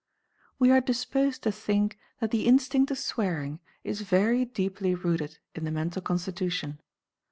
We are disposed to think that the instinct of swearing is very deeply rooted in the mental constitution.